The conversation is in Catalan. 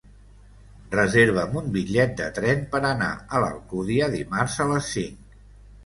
Reserva'm un bitllet de tren per anar a l'Alcúdia dimarts a les cinc.